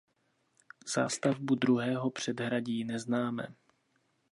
Zástavbu druhého předhradí neznáme.